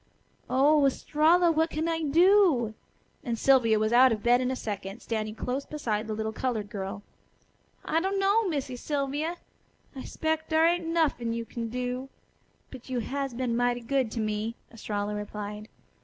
"Oh, Estralla! What can I do?" and Sylvia was out of bed in a second, standing close beside the little colored girl. "I dunno, Missy Sylvia. I 'spec' dar ain't nuffin' you kin do. But you has been mighty good to me," Estralla replied.